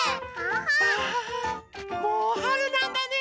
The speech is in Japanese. わあもうはるなんだね。